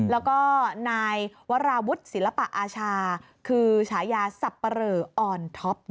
แล้วก็นายวราวุฒิศิลปะอาชาคือฉายาสับปะเหลออนท็อป